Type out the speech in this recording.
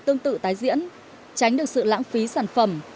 tương tự tái diễn tránh được sự lãng phí sản phẩm